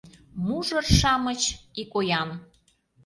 Мужыр-шамыч, ик оян